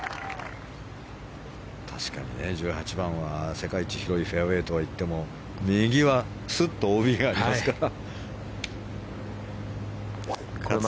確かに１８番は世界一広いフェアウェーとはいっても右はＯＢがありますから。